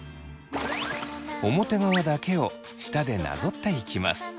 表側だけを舌でなぞっていきます。